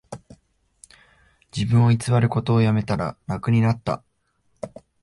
自分を偽ることをやめたら楽になった